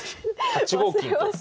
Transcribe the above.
８五金と。